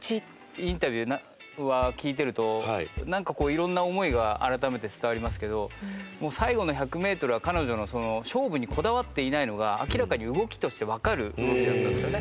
インタビュー聞いてるとなんかこう色んな思いが改めて伝わりますけど最後の１００メートルは彼女の勝負にこだわっていないのが明らかに動きとしてわかる動きだったんですよね。